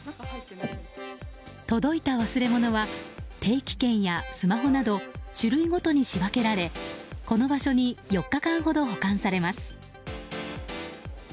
届いた忘れ物は定期券やスマホなど種類ごとに仕分けられこの場所に４日間ほど保管されます。